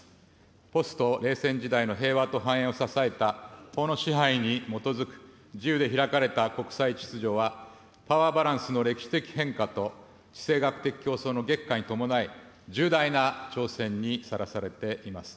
ポスト冷戦時代の平和と繁栄を支えた、法の支配に基づく自由で開かれた国際秩序は、パワーバランスの歴史的変化と、地政学的競争の激化に伴い、重大な挑戦にさらされています。